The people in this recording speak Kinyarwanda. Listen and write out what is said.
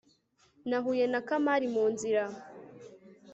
nahuye na kamari mu nzira